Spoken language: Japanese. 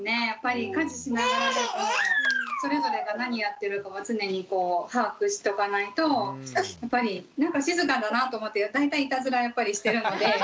やっぱり家事しながらだとそれぞれが何やってるかは常にこう把握しとかないとやっぱりなんか静かだなと思ったら大体いたずらやっぱりしてるので。